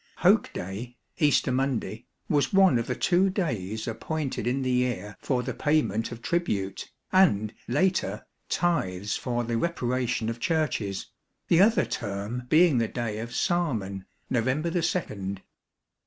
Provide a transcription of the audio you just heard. Hoke day (Easter Monday) was one of the two days appointed in the year for the payment of tribute, and, later, tithes for the reparation of Churches ; the other term being the day of Saman, November 2nd.